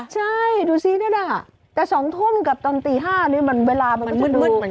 ใช่ดูสินี่น่ะแต่สองทุ่มกับตอนตีห้านี้มันเวลามันก็จะดู